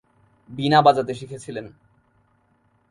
বীণা বাজাতে শিখেছিলেন।